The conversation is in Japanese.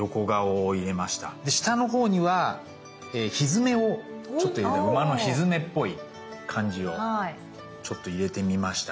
で下のほうにはひづめをちょっと入れ馬のひづめっぽい感じをちょっと入れてみました。